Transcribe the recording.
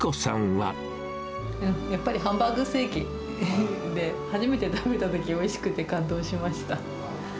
やっぱりハンバーグステーキで、初めて食べたときはおいしくて感動しました。